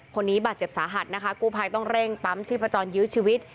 คนนี้บาดเจ็บสาหัสนะคะกู้ภัยต้องเร่งปั๊มชีพจรยื้อชีวิต